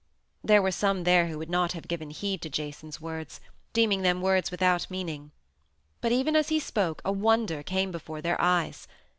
There were some there who would not have given heed to Jason's words, deeming them words without meaning. But even as he spoke a wonder came before their eyes.